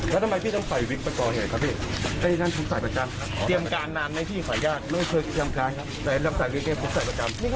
อยากจะขอโทษไหมครับ